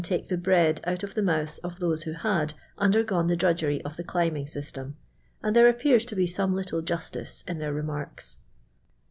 tak" the bread out of lh«' ujoiiths of those who had undergone the drudgery of the ciunbing ty. %tom : and there appears to be somi' little justice in their remarks.